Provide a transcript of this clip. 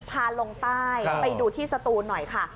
พาลงใต้ไปดูที่สตูนหน่อยค่ะ